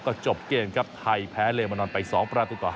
ก็จบเกมครับไทยแพ้เลมานอนไป๒ประตูต่อ๕